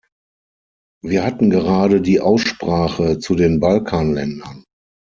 Wir hatten gerade die Aussprache zu den Balkanländern.